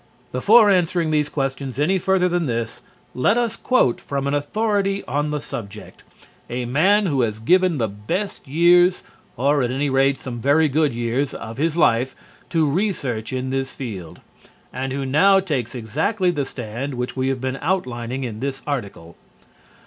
Before answering these questions any further than this, let us quote from an authority on the subject, a man who has given the best years, or at any rate some very good years, of his life to research in this field, and who now takes exactly the stand which we have been outlining in this article.